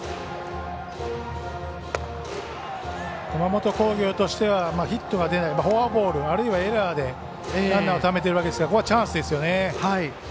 熊本工業としてはヒットが出てフォアボールあるいはエラーでランナーをためてるわけですからここはチャンスですよね。